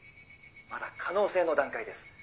まだ可能性の段階です」